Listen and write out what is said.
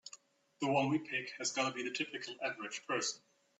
The one we pick has gotta be the typical average person.